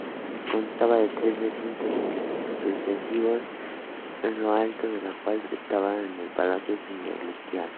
Constaba de tres recintos sucesivos, en lo alto del cual estaba el palacio señorial.